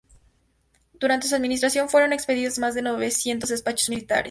Durante su administración fueron expedidos más de novecientos despachos militares.